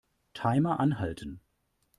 Timer anhalten.